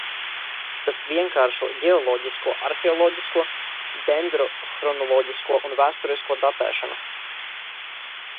Tas vienkāršo ģeoloģisko, arheoloģisko, dendrohronoloģisko un vēsturisko datēšanu.